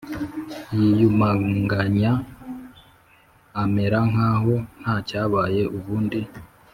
yiyumangana amera nkaho ntacyabaye ubundi